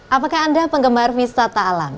apakah anda penggemar wisata alam